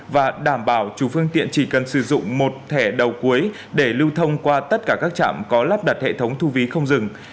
và đảm bảo chủ phương tiện chỉ cần sử dụng một thẻ đầu cuối để lưu thông qua tất cả các trạm có lắp đặt hệ thống thu phí không dừng